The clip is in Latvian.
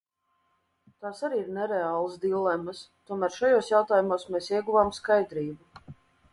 Tās arī ir nereālas dilemmas, tomēr šajos jautājumos mēs ieguvām skaidrību.